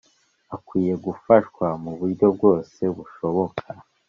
akwiye gufashwa mu buryo bwose bushoboka